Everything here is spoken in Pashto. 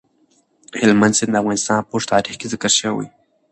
هلمند سیند د افغانستان په اوږده تاریخ کې ذکر شوی.